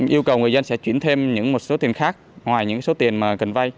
yêu cầu người dân sẽ chuyển thêm những một số tiền khác ngoài những số tiền mà cần vay